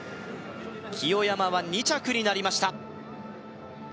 清山は２着になりました